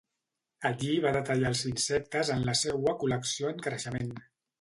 Allí va detallar els insectes en la seua col·lecció en creixement.